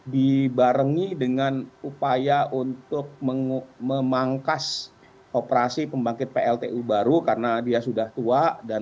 dibarengi dengan upaya untuk memangkas operasi pembangkit pltu baru karena dia sudah tua